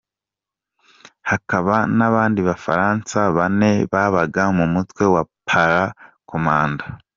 Hakaba n’abandi Bafaransa bane babaga mu mutwe wa para-Comando.